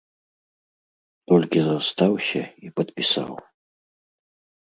Толькі застаўся і падпісаў.